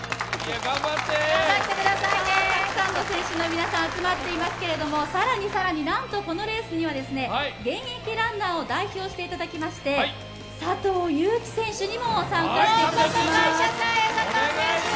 たくさんの選手の皆さん、集まっていますけれども更に更にこのレースには現役ランナーを代表していただきまして、佐藤悠基選手にも参加していただきます。